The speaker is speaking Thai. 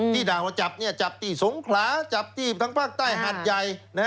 ด่าว่าจับจับที่สงขลาจับที่ทางภาคใต้หัดใหญ่